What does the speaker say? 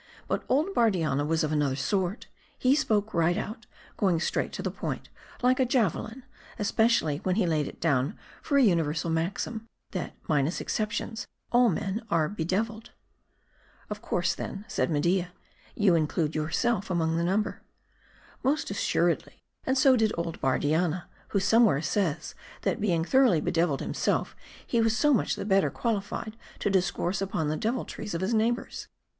But old Bardianna was of another sort ; he spoke right out, going straight to the point like a javelin; especially when he laid it down for a universal maxim, that minus exceptions, all men are bedeviled." " Of course, then," said Media, " ycru include yourself among the number." " Most assuredly ; and so did old Bardianna ; who some where says, that being thoroughly bedeviled himself, he was so much the better qualified to discourse upon the deviltries of his neighbors.